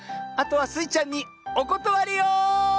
あとはスイちゃんにおことわりよ。